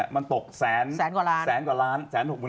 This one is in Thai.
มันตกแสนหลักล้านบาท